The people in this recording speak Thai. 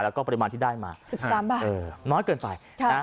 แล้วก็ปริมาณที่ได้มา๑๓บาทน้อยเกินไป